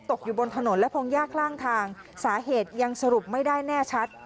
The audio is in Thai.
ตกอยู่บนถนนและพงยากข้างทางสาเหตุยังสรุปไม่ได้แน่ชัด